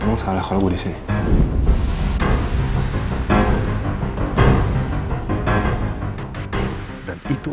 emang salah kalau gue disini